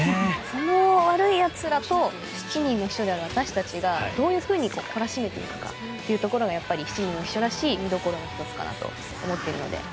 その悪い奴らを７人の秘書である私たちがどういうふうにこらしめていくかというところがやっぱり「七人の秘書」らしい見どころの１つかなと思っているので。